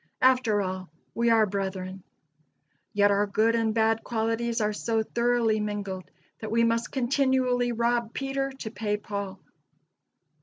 After all, we are brethren. Yet, our good and bad qualities are so thoroughly mingled that we must continually rob Peter to pay Paul.